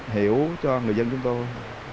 hiểu cho người dân chúng tôi